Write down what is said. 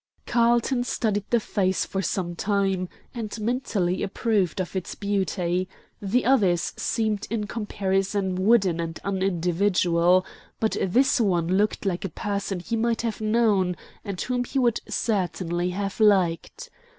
Carlton studied the face for some time, and mentally approved of its beauty; the others seemed in comparison wooden and unindividual, but this one looked like a person he might have known, and whom he would certainly have liked.